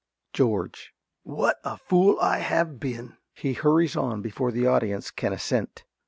~George.~ What a fool I have been! (_He hurries on before the audience can assent.